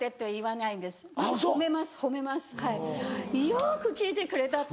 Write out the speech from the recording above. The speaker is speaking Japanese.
「よく聞いてくれた」って。